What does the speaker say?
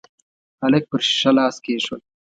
هلک پر شيشه لاس کېښود.